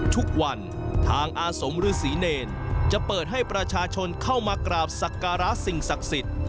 ทุกวันทางอาสมฤษีเนรจะเปิดให้ประชาชนเข้ามากราบสักการะสิ่งศักดิ์สิทธิ์